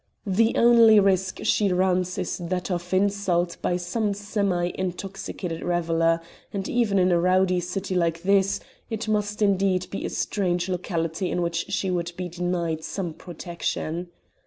The only risk she runs is that of insult by some semi intoxicated reveller, and even in a rowdy city like this, it must indeed be a strange locality in which she would be denied some protection.